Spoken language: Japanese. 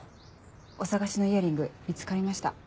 お捜しのイヤリング見つかりました。